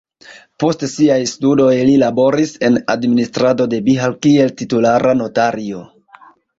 Post siaj studoj li laboris en administrado de Bihar kiel titulara notario.